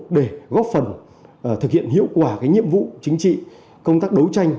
để góp phần thực hiện hiệu quả nhiệm vụ chính trị công tác đấu tranh